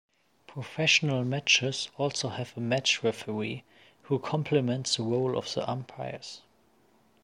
Professional matches also have a match referee, who complements the role of the umpires.